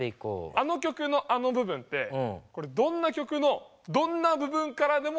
あの曲のあの部分ってどんな曲のどんな部分からでもつなげられるのよ。